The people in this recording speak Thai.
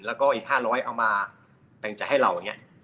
แล้วก็อีก๕๐๐ล้านเอามาแต่งจัยให้เรา